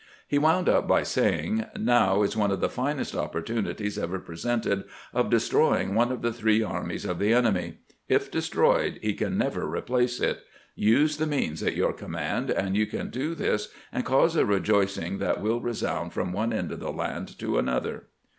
He wound up by saying: "Now is one of the finest opportunities ever presented of destroying one of the three armies of the enemy. If destroyed, he can never replace it. Use the means at your command, and you can do this, and cause a rejoicing that wiU resound from one end of the land to another."